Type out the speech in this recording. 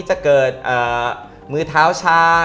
จะเกิดมือเท้าชา